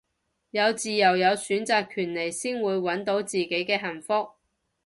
有自由有選擇權利先會搵到自己嘅幸福